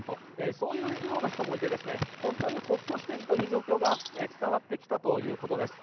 そういう人もいて本当にホッとしている状況が伝わってきたということです。